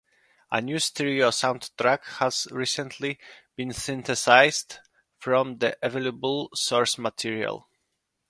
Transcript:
A new stereo soundtrack has recently been synthesized from the available source material.